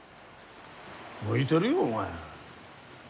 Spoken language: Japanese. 向いてるよお前